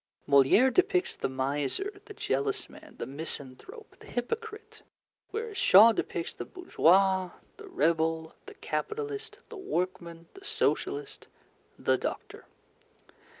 Molière depicts the miser, the jealous man, the misanthrope, the hypocrite; whereas Shaw depicts the bourgeois, the rebel, the capitalist, the workman, the Socialist, the doctor.